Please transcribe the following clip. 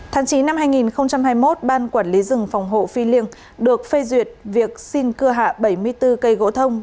tháng chín năm hai nghìn hai mươi một ban quản lý rừng phòng hộ phi liêng được phê duyệt việc xin cưa hạ bảy mươi bốn cây gỗ thông